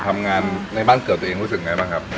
ทำงานในบ้านเกิดตัวเองรู้สึกไงบ้างครับ